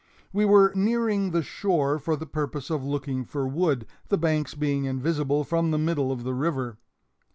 We were nearing the shore for the purpose of looking for wood, the banks being invisible from the middle of the river.